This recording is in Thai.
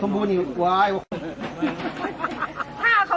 พร้อมแก้มมีจะได้ไว้สิ